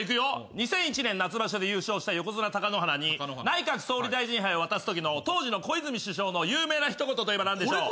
２００１年夏場所で優勝した横綱貴乃花に内閣総理大臣杯を渡すときの当時の小泉首相の有名な一言といえば何でしょう？